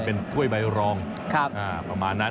เป็นถ้วยใบรองประมาณนั้น